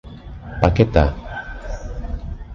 Paquetá